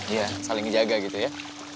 iya saling jaga gitu ya